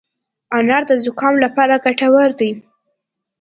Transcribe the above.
انار د زکام لپاره ګټور دی.